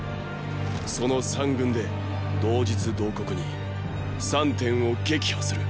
その三軍で同日同刻に三点を撃破する！